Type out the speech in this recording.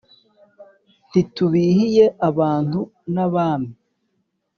ntitubihiye abantu n’abami,